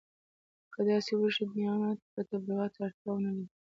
که داسې وشي دیانت به تبلیغاتو ته اړتیا ونه لري.